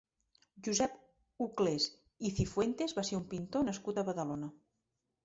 Josep Uclés i Cifuentes va ser un pintor nascut a Badalona.